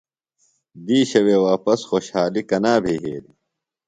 دِیشہ وے واپس خُوشحالیۡ کنا بھےۡ یھیلیۡ؟